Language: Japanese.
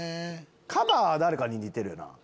カバは誰かに似てるよな。